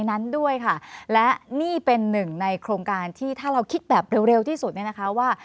นั้นด้วยค่ะและนี่เป็นหนึ่งในโครงการที่ถ้าเราคิดแบบเร็วเร็วที่สุดเนี่ยนะคะว่า